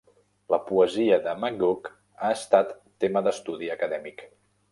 La poesia de McGough ha estat tema d'estudi acadèmic.